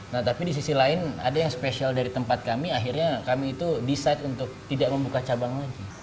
nah tapi di sisi lain ada yang spesial dari tempat kami akhirnya kami itu decide untuk tidak membuka cabang lagi